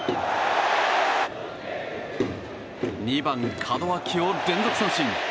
２番、門脇を連続三振！